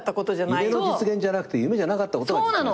夢の実現じゃなくて夢じゃなかったことが実現する。